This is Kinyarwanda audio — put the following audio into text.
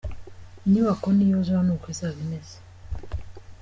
Inyubako niyuzura ni uku izaba imeze.